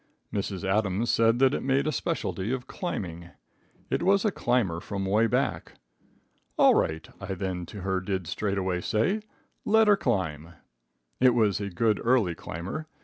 Mrs. Adams said that it made a specialty of climbing. It was a climber from away back. "All right," I then to her did straightway say, "let her climb." It was a good early climber.